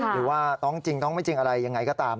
หรือว่าท้องจริงต้องไม่จริงอะไรยังไงก็ตาม